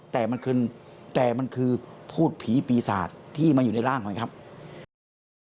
แต่มันคือพูดผีปีศาสตร์ที่มันอยู่ในร่างของเขานะครับ